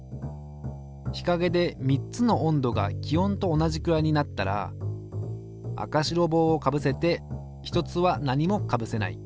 ひかげで３つの温度が気温と同じくらいになったら赤白帽をかぶせて１つは何もかぶせない。